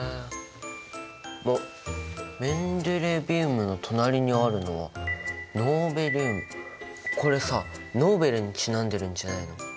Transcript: あっメンデレビウムの隣にあるのはこれさノーベルにちなんでるんじゃないの？